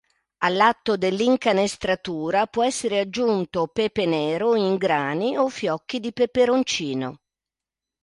All'atto dell'incanestratura può essere aggiunto pepe nero in grani o fiocchi di peperoncino.